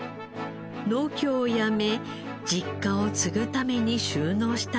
農協を辞め実家を継ぐために就農したのです。